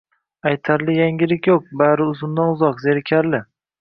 Aytarli yangilik yo`q bari uzundan-uzoq, zerikarli